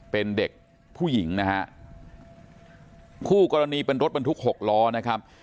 เป็นเด็กผู้หญิงนะฮะคู่กรณีเป็นรถบรรทุกหกล้อนะครับ